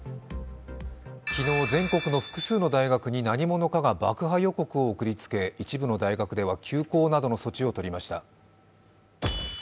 昨日、全国の複数の大学に何者かが爆破予告を送りつけ一部の大学では休講などの措置を取りました。